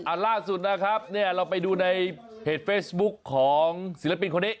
ล่าสุดนะครับเนี่ยเราไปดูในเพจเฟซบุ๊คของศิลปินคนนี้